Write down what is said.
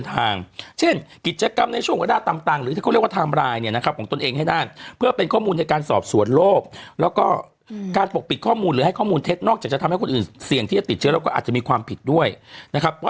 เพราะฉะนั้นวันนี้กรุงเทพฯมหานครเขาขออันนี้คือขอความร่วมมือ